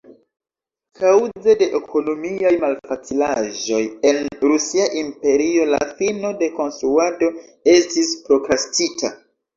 Kaŭze de ekonomiaj malfacilaĵoj en Rusia Imperio la fino de konstruado estis prokrastita.